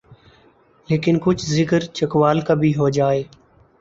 لیکن کچھ ذکر چکوال کا بھی ہو جائے۔